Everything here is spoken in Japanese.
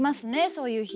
そういう日。